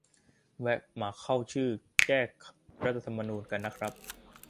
แวะมาเข้าชื่อ แก้รัฐธรรมนูญ กันนะครับ